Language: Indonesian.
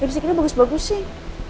lipsticknya bagus bagus sih